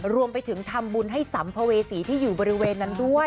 รวมไปถึงทำบุญให้สัมภเวษีที่อยู่บริเวณนั้นด้วย